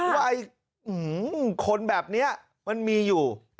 ว่าคนแบบนี้มันมีอยู่